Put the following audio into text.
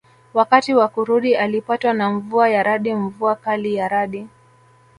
Wakati wa kurudi alipatwa na mvua ya radi mvua kali ya radi